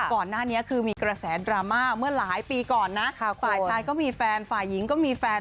ก่อนหน้านี้คือมีกระแสดราม่าเมื่อหลายปีก่อนนะฝ่ายชายก็มีแฟนฝ่ายหญิงก็มีแฟน